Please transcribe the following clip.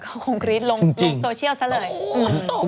เค้าคงครี๊ดลงโซเชียลซ่ะเลย